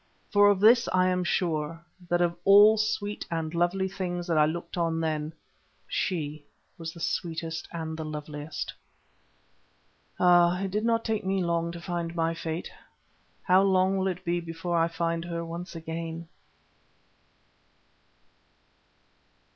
For of this I am sure, that of all sweet and lovely things that I looked on then, she was the sweetest and the loveliest. Ah, it did not take me long to find my fate. How long will it be before I find her once again?